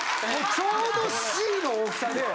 ちょうどＣの大きさで。